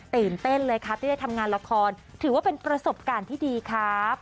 ตื่นเต้นเลยครับที่ได้ทำงานละครถือว่าเป็นประสบการณ์ที่ดีครับ